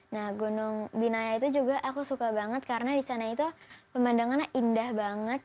nah gunung binaya itu juga aku suka banget karena di sana itu pemandangannya indah banget